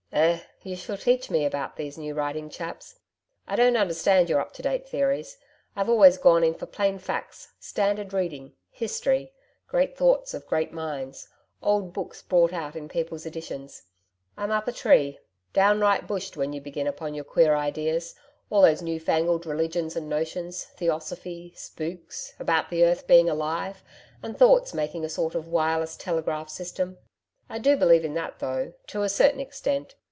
'Eh! you shall teach me about these new writing chaps. I don't understand your up to date theories. I've always gone in for plain facts standard reading history great thoughts of great minds old books brought out in people's editions. I'm up a tree downright bushed when you begin upon your queer ideas all those new fangled religions and notions Theosophy, spooks about the earth being alive, and thoughts making a sort of wireless telegraph system I do believe in that, though to a certain extent.